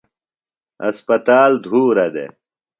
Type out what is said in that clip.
اسپتال دُھورہ دےۡ۔